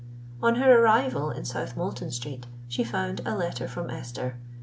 On her arrival in South Moulton Street, she found a letter from Esther.